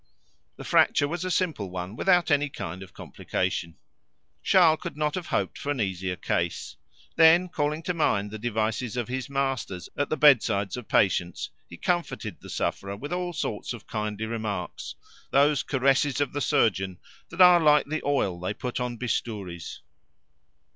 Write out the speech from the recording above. The fracture was a simple one, without any kind of complication. Charles could not have hoped for an easier case. Then calling to mind the devices of his masters at the bedsides of patients, he comforted the sufferer with all sorts of kindly remarks, those caresses of the surgeon that are like the oil they put on bistouries.